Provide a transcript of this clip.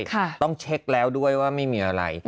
ต้องเช็คแล้วด้วยว่าไม่มีอะไร